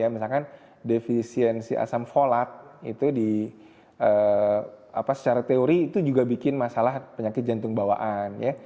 misalkan defisiensi asam folat itu secara teori itu juga bikin masalah penyakit jantung bawaan ya